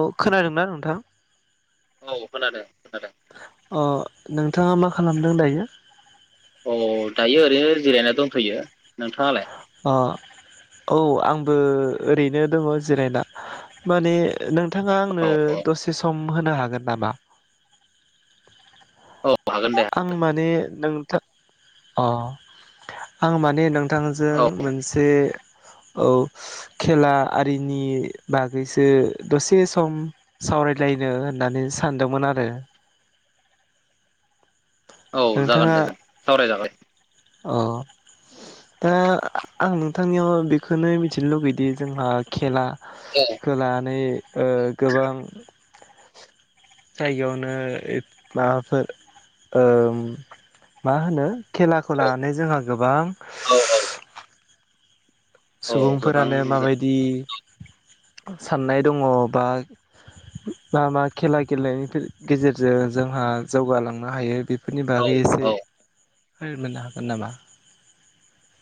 औ खोनादोंना नोंथां? औ खोनादों। खोनादों अ नोंथाङा मा खालामदों दायो? अ दायो ओरैनो जिरायना दंथ'यो नोंथाङालाय? अ औ आंबो ओरैनो दङ जिरायना माने नों नोंथाङा औ आंनो औ दसे सम होनो हागोन नामा? औ हागोन दे आं माने नों [inaudible] अ आं माने नों थांजों औ मोनसे औ खेला आरिनि बागैसो दसे सम सावरायलायनो होननानै सानदोंमोन आरो औ जागोन नोंथाङा दे [inaudible] सावरायजाबाय। अ दा आं नोंथांनियाव बेखोनो मिथिनो लुगैदि जोंहा खेला औ खो लानै। ओ गोबां जायगायावनो माबाफोर ओ मा होनो? खेलाखौ लानानै जोंहा गोबां औ औ गोबां सुबुंफोरानो माबायदि साननाय दङ बा मा मा खेला गेलेनायनि गे-गेजेरजों जोंहा जौगालांनो हायो बे बेफोरनि औ बागै औ एसे हो मोननो हागोन नामा?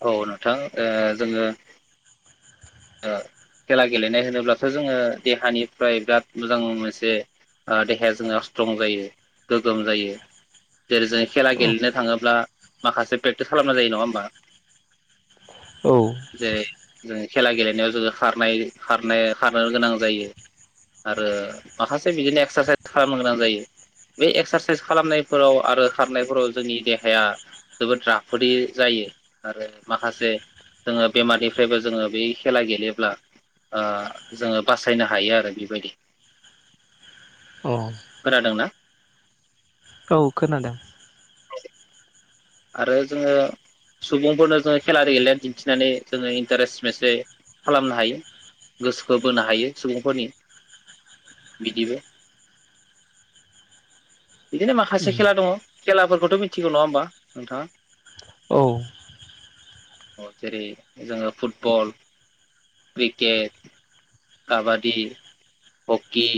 औ नोंथां ओ जोङो ओ खेला गेलेनाय होनोब्लाथ' जोङो देहानिफ्राय बिराद मोजां मोनसे देहाया जोंना स्ट्रं जायो गोग्गोम जायो। जेरै जों खेला औ गेलेनो थाङोब्ला माखासे प्रेक्टिस खालामना जायो नङा होमबा। औ जाय जाय। खेला गेलेनायाव जोङो खारनाय खारनाय खारनो गोनां जायो। आरो माखासे बिदिनो एक्सारसाइस खालामनो गोनां जायो। बे एक्सारसाइस खालामनायफोराव आरो खारनायफोराव जोंनि देहाया जोबोद राफोदै जायो। आरो माखासे जोङो बेमारनिफ्रायबो जोङो बै खेला गेलेब्ला ओ जोङो बासायनो हायो आरो बेबायदि। खोनादोंना? औ खोनादों। आरो जोङो सुबुंफोरनो जोङो खेलारि गेलेनानै दिन्थिनानै जोङो इन्टारेस्ट मोनसे खालामनो हायो। गोसोखौ बोनो हायो सुबुंफोरनि बिदिबो। बिदिनो माखासे खेला दङ। खेलाफोरखौथ' मिथिगौ नङा होमबा नोंथाङा। औ। जेरै जोङो फुटबल क्रिकेट काबादि हकि।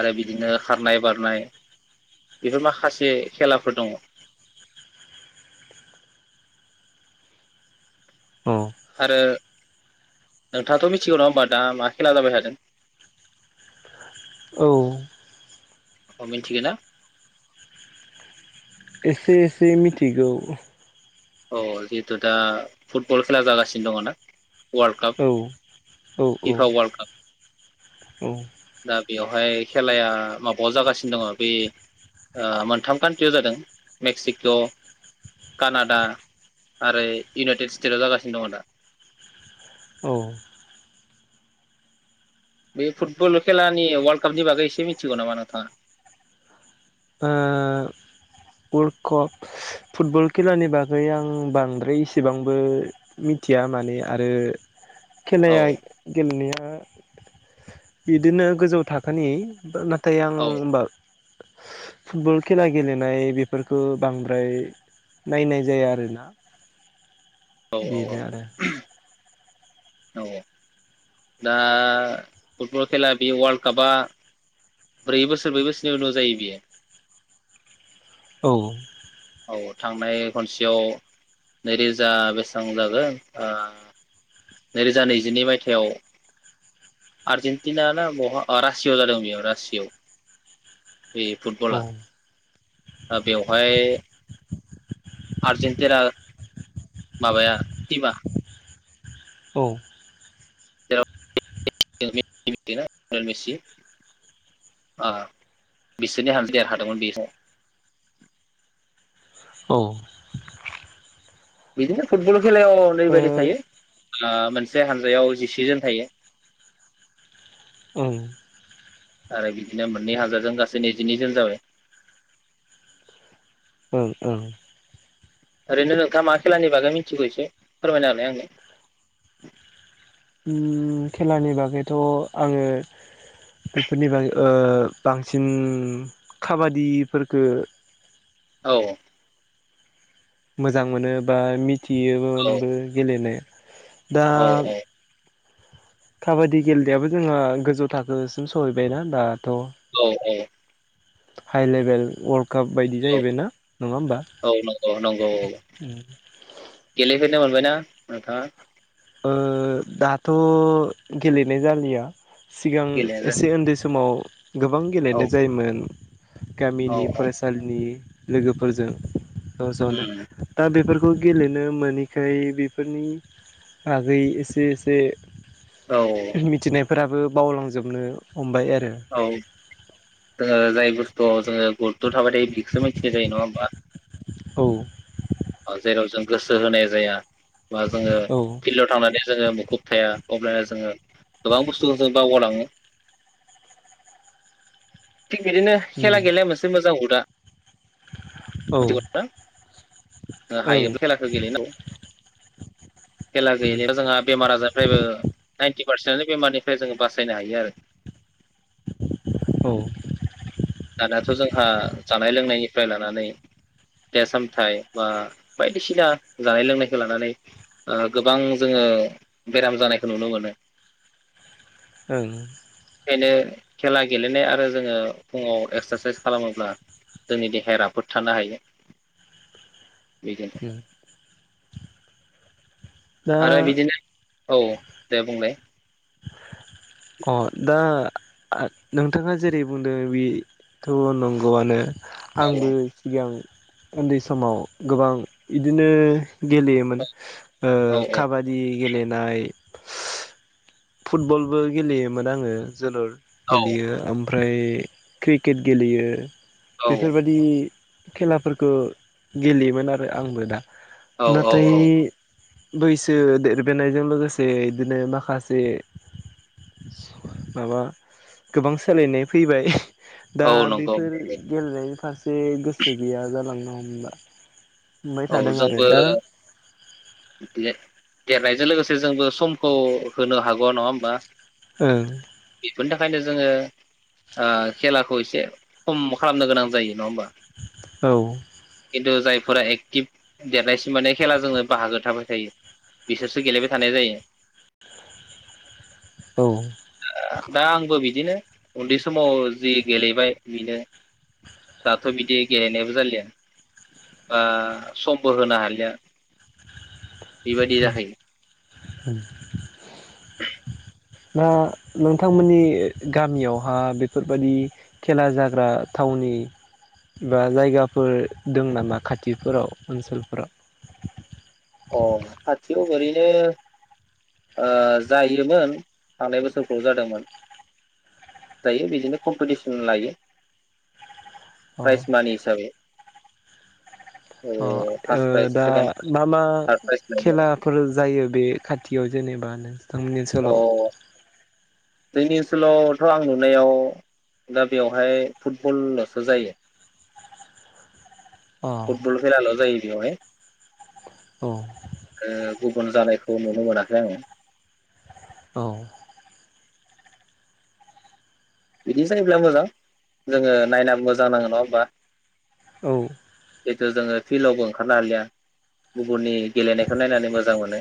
आरो बिदिनो खारनाय बारनाय बेफोर माखासे खेलाफोर दङ। औ आरो नोंथाङाथ' मिथिगौ नङा होमबा दा मा खेला जाबाय थादों? औ। अ मिनथिगौना? एसे एसे मिथिगौ। अ जिहेथु दा फुटबल खेला जागासिनो दङ ना? वर्लड काप औ औ फिफा वर्लड काप। औ। दा बेवहाय खेलाया माबायाव जागासिनो दङ बे ओ मोनथाम कान्ट्रियाव जादों मेक्सिक' कानाडा। आरो इउनाइटेड स्टेटाव जागासिनो दङ दा। औ बे फुटबल खेलानि वर्ल्ड कापनि बागै एसे मिथिगौ नामा नोंथाङा? ओ [inaudible] फुटबल खेलानि बागै आं बांद्राय इसेबांबो मिथिया माने आरो औ खेलाया गेलेनाया बिदिनो गोजौ थाखोनि थाय आं औ बा फुटबल खेला गेलेनाय बे बेफोरखौ बांद्राय नायनाय जाया आरोना। औ औ बेनो आरो। औ औ दा फुटबल खेला बे वर्ल्ड कापआ ब्रै बोसोर ब्रै बोसोरनि उनाव जायो बियो। औ। औ थांनाय खनसेयाव नैरोजा बेसेबां जागोन ओ नैरोजा नैजिनै मायथाइयाव आर्जेन्टिना ना बहा रासिययाव जादों बेयाव रासियायाव। बे औ फुटबला दा बेवहाय [unintelligible] आर्जेनटिना माबाया टिमा औ [unintelligible] औ बिदिनो फुटबल खेलायाव ओैरैबायदि थायो ओ मोनसे हानजायाव जिसेजोन थायो ओं आरो बिदिनो मोननै हाजारजों गासै नैजिनै जोन जाबाय ओं ओरैनो नोंथा मा खेलानि बागै मिथिगौ एसे फोरमायना होलाय आंनो ओ खेलानि बागैथ' आङो बेफोरनि बागै ओ बांसिन उम खाबादिफोरखौ औ मोजां मोनो बा मि औ थियोमोनबो गेलेनाय दा औ काबादि गेलेनायाबो जोंङहा गोजौ थाखोसिम सहैबायना दा औ औ हाइ लेभेल वर कप बायदि जाहैबायना नङा होमबा? औ नंगौ नंगौ नो मोनबायना नथाङा ओ दाथ' गेलेनाय जालिया सिगां गेलेनो एसे उन्दै समाव गोबां औ गेलेनाय जायोमोन। गामिनि औ औ फरायसालिनि लोगोफोरजों ज' ज'नो उम ओ बेफोर खौ गेलेनो मोनैखाय बेफोरनि बागै एसे एसे औ मिथिनाय फोराबो बावलांजोबनो हमबाय आरो ओ जाय बुस्थुआव जोङो गुरुथ' थाबाय थायो बेखौसो मिथिनाय जायो नङा होमबा? औ ओ जेराव जों गोसो होनाय जाया बा जोङो औ फिल्डआव थांनानै जोङो [unintelligible] अब्लानिया जोङो गोबां बुस्थुखौ जों बावगारलाङो थिग बिदिनो उम खेला गेलेया मोनसे मोजां हु दा औ मिथिगौ ओं ना जों हायोबा खेलाखौ गेलेेनांगौ खेला उम गेलेबा जोंहा बेमार आजारनिफ्रायबो नाइन्टि पारसेन्टनो बेमारनिफ्राय जोङो बासायनो हायो आरो औ ओं दानाथ जों ओ जानाय लोंनायनिफ्राय लानानै फिथाइ सामथाइ बा बायदिसिना जानाय लोंनायखौ लानानै गोबां जोङो बेराम जानायखौ नुनो मोनो ओं बेखायनो खेला गेलेनाय आरो जोङो फुङाव एक्सारसाइस खालामोब्ला जोंनि देहाया राफोद थानो हायो [inaudible] दा आरो बिदिनो औ दे बुंलाय अ दा नोंथाङा जेरै बुंदों बेथ नंगौआनो आंबो सिगां उन्दै समाव गोबां बिदिनो गेलेयोमोन ओ औ काबादि गेलेनाय फुटबलबो गेलेयोमोन आङो जोलुर औ गेलेयो ओमफ्राय क्रिकेट गेलेयो औ बेफोरबायादि खेलाफोरखौ गेलेयोमोन आरो आंबो दा औ नाथाय औ बैसो देरबोनायजों लोगोसे बिदिनो माखासे जे माबा गोबां सोलायनाय फैबाय दा औ नंगौ बेफोर गेलेनायनि फारसे गोसो गैया जालांनो ना औ जोंबो गेलेनाय बेजों लोगोसे जोंबो समखौ होनो हागौ नङा होमबा ओं बेनि थाखायनो जोङो आ खेला खौ एसे खम खालामनो गोनां जायो नङा होमबा औ थु जायफोरा एक टिफ देरनायसिम माने खेला जोङो बाहागो थाबाय थायो बिसोरसो गेलेबाय थानाय जायो। औ दा आंबो बिदिनो उन्दै समाव जि गेलेबाय बिनो दाथ' बिदि गेलेनायबो जालिया बा समबो होनो हालिया। बेबायदि जाहै उम [inaudible] दा नोंथांमोननि गामियावहा बेफोरबादि खेला जाग्रा थावनि बा जायगाफोर दं नामा खाथिफोराव ओनसोलफोराव? अ खाथियाव ओरैनो ओ जायोमोन थांनाय बोसोरफ्राव जादोंमोन जायो बिदिनो कमपिटिसन लायो। अ प्राइज मानि हिसाबै। ओ अ ओ फार्स्ट प्राइज दा सेकेणड मा मा थार्द मा प्राइज मोनो खेलाफोर जायो बे खाथियाव जेनेबा थांमोननि ओनसोलाव अ जोंनि ओनसोलावथ' आं नुनायाव दा बेवहाय फुटबलसो जायो। अ औ फुटबल खेलाल जायो। बेवहाय ओ गुबुन जानायखौ नुनो मोनाखै आङो। औ बिदि जायोब्ला मोजां जोङो नायना मोजां नाङो नङा होमबा। औ जिथु जोङो फिल्डआवबो ओंखारनो हालिया गुबुननि गेलेनायखौ नायनानै मोजां मोनो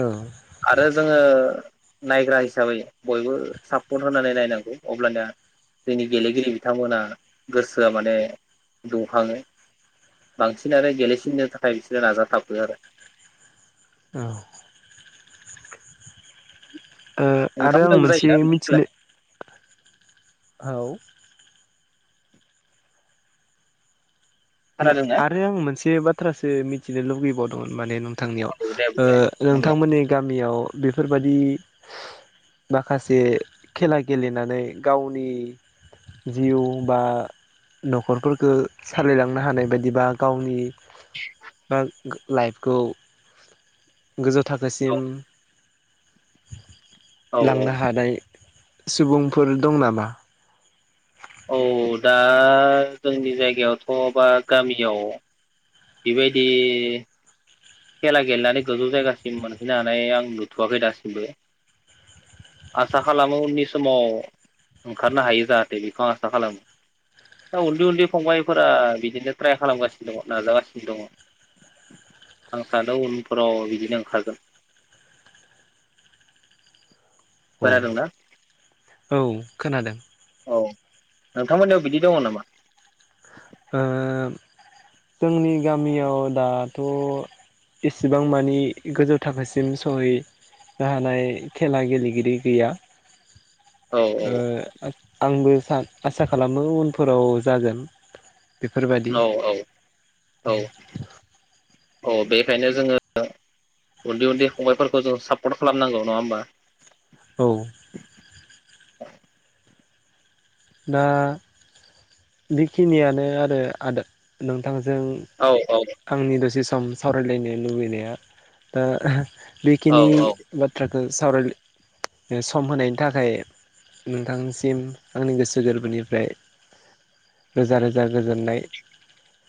औ आरो जोङो नायग्रा हिसाबै बयबो सापर्ट होनानै नायनांगौ। अब्लानया जोंनि गेलेगिरि बिथांमोना गोसोआ माने दुंखाङो बांसिनानो गेलेसिननो थाखाय बिसोरो नाजाथाबो आरो। औ ओ नोंथां आरो आं लोगो मोनसे जायोना बिदि खेला मिथिनो औ मा खोनादोंना आरो आं मोनसे बा थ्रासो मिथिनो लुुबैबावदोंमोन माने नों थांनियाव औ दे ओ बुंलाय बुंलाय नोंथांमोननि गामियाव बेफोरबादि माखासे खेला गेलेनानै गावनि जिउ बा नखरफोर खो सालायलां थानाय बायदिबा गावनि बा लाइफखौ गोजौ थाखोसिम औ औ [unintelligible] औ लांनो हानाय। सुबुंफोर दं नामा? औ दा जोंनि जायगायावथ' बा गामियाव। बेबायदि खेला गेलेनानै गोजौ जायगासिम मोनहैनो हानाय आं नुथ'वाखै दासिमबो आसा खालामो उननि समाव ओंखारनो हायो जाहाथे बेखौ आं आसा खालामो दा उन्दै उन्दै फंबायफोरा बिदिनो ट्राय खालामगासिनो दङ नाजागासिनो। दङ' आं सानो उनफोराव बिदिनो ओंखारगोन। औ [unintelligible] औ खोनादों। औ नोंथांमोननियाव बिदि दङ' नामा? ओ जोंनि गामियाव दाथ' एसेबां मानि गोजौ थाखोसिम सहैनो हानाय खेला गेलेगिरि गैया। औ औ ओ आंबो सान आसा खालामो उनफोराव जागोन। बेफोरबादि औ औ औ औ बेखायनो जोङो उन्दै उन्दै फंबायफोरखौ जों सापर्ट खालामनांगौ नङा होमबा? औ [unintelligible] दा बेखिनियानो आरो आदा-नोंथां। जों औ औ आंनि दसे सम सावरायलायनो लुबैनाया ओ ओ औ बेखिनि औ बाथ्रा सावराय सम होनायनि थाखाय नोंथांनिसिम आंनि गोसो गोरबोनिफ्राय रोजा रोजा गोजोननाय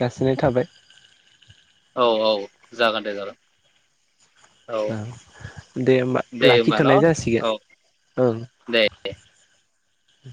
जासिनाय थाबाय। औ औ जागोन दे जागोन। औ दे होमबा दे होमबा न' लाखिथ'नाय औ जासिगोन ओं। दे उ [unintelligible]